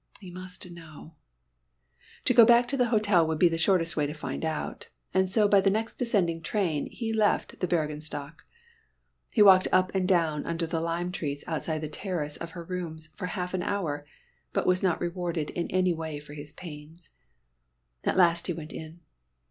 He must know. To go back to the hotel would be the shortest way to find out, and so by the next descending train he left the Bürgenstock. He walked up and down under the lime trees outside the terrace of her rooms for half an hour, but was not rewarded in any way for his pains. And at last he went in.